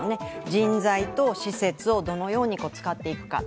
人材と施設をどのように使っていくか。